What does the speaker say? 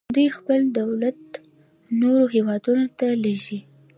دوی خپل تولیدات نورو هیوادونو ته لیږي.